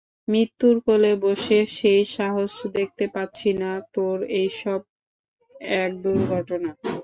মৃত্যের কোলে বসে সেই সাহস দেখতে পাচ্ছি না তোর এইসব এক দুর্ঘটনা।